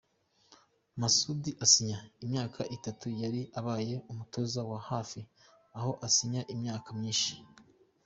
Masudi asinya imyaka itatu, yari abaye umutoza wo hafi aha usinya imyaka myinshi.